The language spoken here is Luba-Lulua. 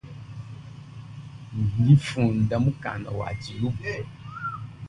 Ndinfunda mukanda wa tshiluba.